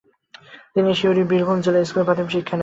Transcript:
তিনি সিউড়ির বীরভূম জেলা স্কুলে প্রাথমিক শিক্ষা নেন।